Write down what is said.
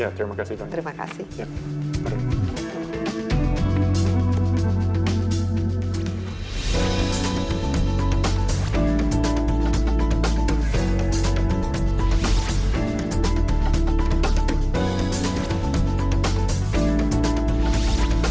ya terima kasih bang terima kasih